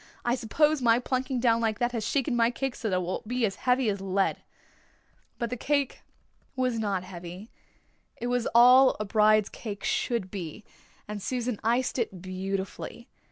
"I suppose my plunking down like that has shaken my cake so that it will be as heavy as lead." But the cake was not heavy. It was all a bride's cake should be, and Susan iced it beautifully.